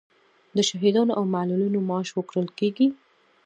د شهیدانو او معلولینو معاش ورکول کیږي